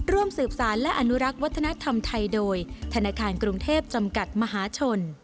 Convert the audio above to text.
ร่วมสืบสารและอนุรักษ์วัฒนธรรมไทยโดยธนาคารกรุงเทพจำกัดมหาชน